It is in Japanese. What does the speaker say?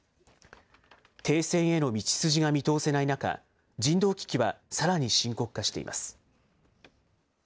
停戦への道筋が見通せない中、人道危機はさらに深刻化しています。